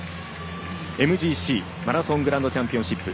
ＭＧＣ＝マラソングランドチャンピオンシップ。